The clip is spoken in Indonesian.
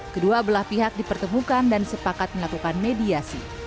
kedua belah pihak dipertemukan dan sepakat melakukan mediasi